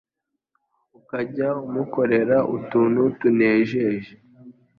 ukajya umukorera utuntu tunejeje